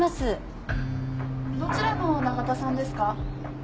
・どちらの永田さんですか？